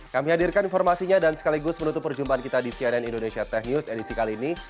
kami hadirkan informasinya dan sekaligus menutup perjumpaan kita di cnn indonesia tech news edisi kali ini